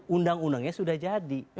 undang undangnya sudah jadi